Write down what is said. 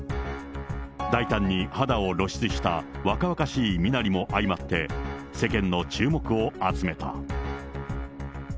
大胆に肌を露出した若々しい身なりも相まって、世間の注目を集めた。